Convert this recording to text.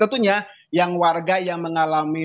tentunya yang warga yang mengalami